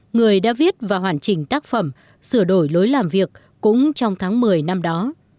người đã viết và hoàn chỉnh tác phẩm sửa đổi lối làm việc cũng trong tháng một mươi năm đó